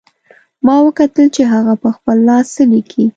ما وکتل چې هغه په خپل لاس څه لیکي